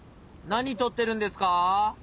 何とってるんですか？